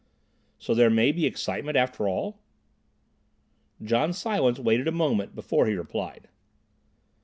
"So there may be excitement, after all?" John Silence waited a moment before he replied.